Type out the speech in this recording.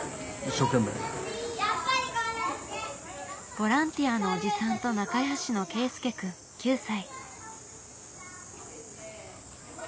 ボランティアのおじさんと仲よしのけいすけくん９歳。